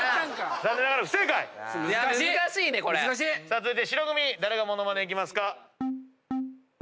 続いて白組誰がモノマネいきますか？